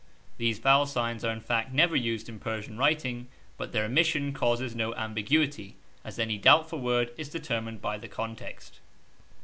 These vowel signs are in fact never used in Persian writing, but their omission causes no ambiguity, as any doubtful word is determined by the context.